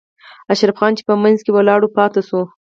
اشرف خان چې په منځ کې ولاړ پاتې شوی و.